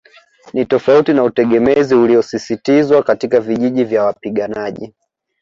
Ni tofauti na utegemezi uliosisitizwa katika vijiji vya wapiganaji